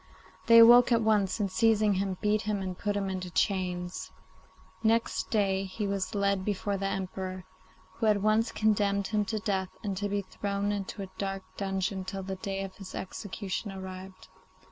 They awoke at once, and, seizing him, beat him and put him into chains. Next day he was led before the Emperor, who at once condemned him to death and to be thrown into a dark dungeon till the day of his execution arrived.